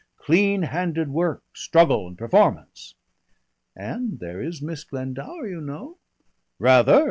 Clean handed work, struggle, and performance." "And there is Miss Glendower, you know." "Rather!"